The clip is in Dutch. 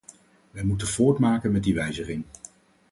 Wij moeten voortmaken met die wijziging.